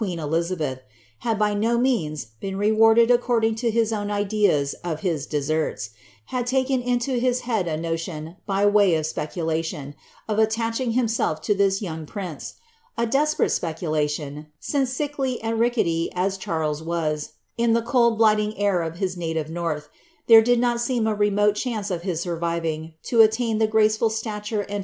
i Flizabelh, had by no means been rewarded according to his own i<ieu of his de.seri.s, had taken into his head a notion, by way of specnlaiion. of attaching himself to this young prince, — a desperate speculation, sffli";' sickly and rickety as Charles was, in the cold, blighiing air of his lawt north, there did not seem a remote chance of his suri'iving, to aiuia ' GilWrt Diigdttle, whose descripiioii of ihese pageanls may be read at )ei.